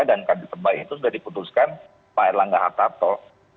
dan kader terbaik itu sudah diputuskan pak erlangga hatta toh